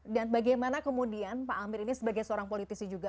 dan bagaimana kemudian pak amir ini sebagai seorang politisi juga